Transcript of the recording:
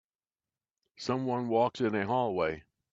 Someone walks in a hallway.